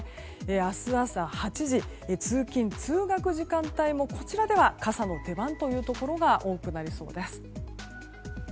明日朝８時、通勤・通学時間帯もこちらでは傘の出番というところが多くなりそうです。